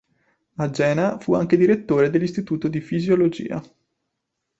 A Jena fu anche direttore dell'Istituto di Fisiologia.